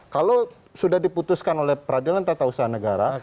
kalau sudah diputuskan oleh peradilan tata usaha negara